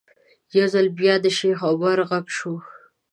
یو ځل بیا د شیخ عمر غږ شو.